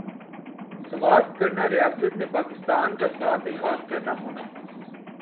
سوات کرنا ریاست نے پاکستان کا ساتھ الحاق کرنا ہونا